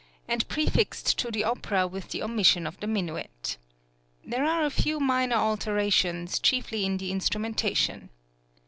and prefixed to the opera with the omission of the minuet. There are a few minor alterations, chiefly in the instrumentation.